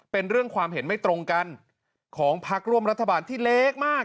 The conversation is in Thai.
เป็นเรื่องความเห็นไม่ตรงกันของพักร่วมรัฐบาลที่เล็กมาก